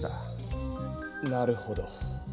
なるほど。